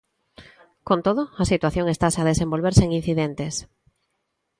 Con todo, a situación estase a desenvolver sen incidentes.